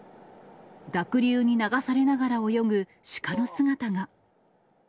濁流に流されながら泳ぐシカの姿が。